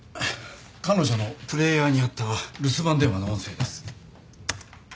彼女のプレイヤーにあった留守番電話の音声です。